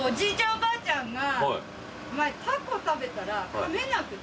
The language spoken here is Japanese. おばあちゃんが前タコ食べたらかめなくて。